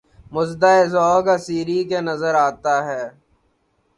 مُژدہ ، اے ذَوقِ اسیری! کہ نظر آتا ہے